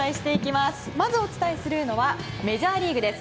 まずお伝えするのはメジャーリーグです。